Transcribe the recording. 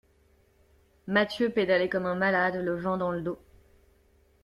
Mathieu pédalait comme un malade, le vent dans le dos.